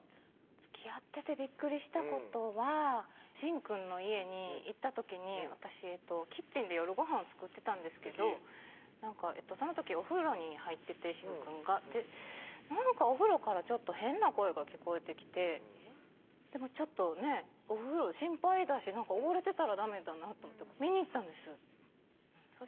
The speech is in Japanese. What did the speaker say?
つきあっててびっくりしたことは慎くんの家に行った時に私キッチンで夜ごはんを作ってたんですけどその時お風呂に入ってて慎くんがなんかお風呂からちょっと変な声が聞こえてきてちょっとねぇお風呂心配だし溺れてたらダメだなと思って見に行ったんですそ